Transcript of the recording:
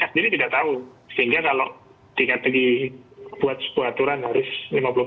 karena sekarang bisa dilakukan dengan blue indomie